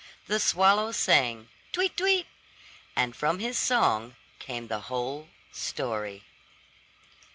The swallow sang, "Tweet, tweet," and from his song came the whole story.